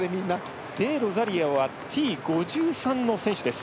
デロザリオはＴ５３の選手です。